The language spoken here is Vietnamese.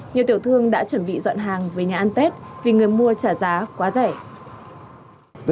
nhiều tiểu thương đã chuẩn bị dọn hàng về nhà ăn tết vì người mua trả giá quá rẻ